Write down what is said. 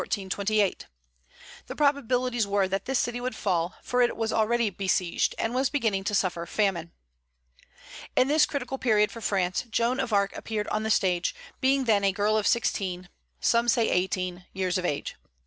The probabilities were that this city would fall, for it was already besieged, and was beginning to suffer famine. In this critical period for France, Joan of Arc appeared on the stage, being then a girl of sixteen (some say eighteen) years of age.